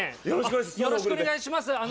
よろしくお願いします。